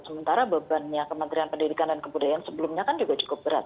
sementara bebannya kementerian pendidikan dan kebudayaan sebelumnya kan juga cukup berat